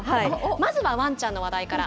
まずはワンちゃんの話題から。